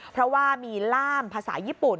เพราะว่ามีล่ามภาษาญี่ปุ่น